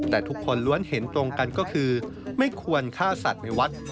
แต่ทุกคนล้วนเห็นตรงกันก็คือไม่ควรฆ่าสัตว์ในวัด